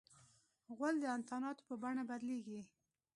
غول د انتاناتو په بڼه بدلیږي.